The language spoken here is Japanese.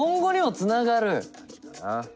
感じかな。